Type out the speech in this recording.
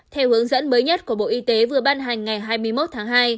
theo hướng dẫn mới nhất của bộ y tế vừa ban hành ngày hai mươi một tháng hai